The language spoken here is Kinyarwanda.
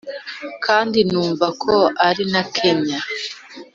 kandi numva ko ari na nkeya